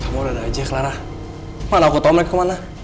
kamu udah ada aja clara mana aku tomlek kemana